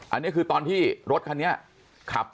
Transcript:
อันนี้คือตอนที่รถคันนี้ขับ